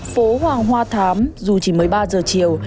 phố hoàng hoa thám dù chỉ mới ba giờ chiều